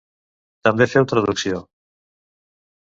També féu traducció.